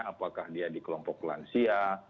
apakah dia di kelompok lansia